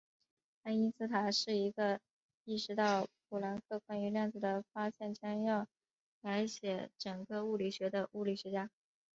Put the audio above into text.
爱因斯坦是第一个意识到普朗克关于量子的发现将要改写整个物理学的物理学家。